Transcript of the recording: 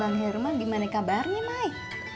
bang herman gimana kabarnya main